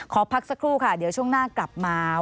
ขอพักสักครู่ค่ะเดี๋ยวช่วงหน้ากลับมา